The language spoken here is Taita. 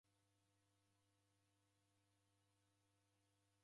W'ana w'efwana w'ilelo nicha.